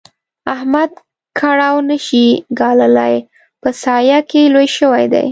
احمد کړاو نه شي ګاللای؛ په سايه کې لوی شوی دی.